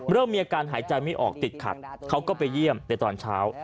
เริ่มมีอาการหายใจไม่ออกติดขัดเขาก็ไปเยี่ยมในตอนเช้า